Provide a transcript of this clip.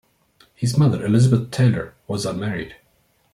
His mother, Elizabeth Taylor, was unmarried.